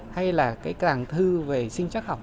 hay là cái tràng thư về sinh chất học